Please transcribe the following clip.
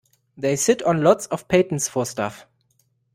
They sit on lots of patents for stuff.